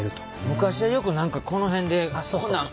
昔はよく何かこの辺でこんなん。